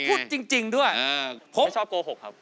เคยครับ